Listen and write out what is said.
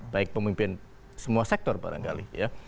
baik pemimpin semua sektor barangkali ya